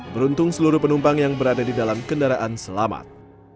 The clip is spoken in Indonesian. beruntung seluruh penumpang yang berada di dalam kendaraan selamat